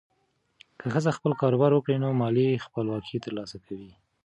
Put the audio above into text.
که ښځه خپل کاروبار وکړي، نو مالي خپلواکي ترلاسه کوي.